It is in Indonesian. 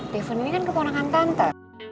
depon ini kan ketonakan tante